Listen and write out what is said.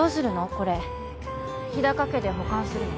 これ日高家で保管するの？